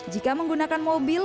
jika menggunakan mobil